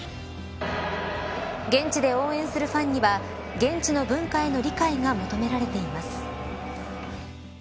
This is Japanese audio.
現地で応援するファンには現地の文化への理解が求められています。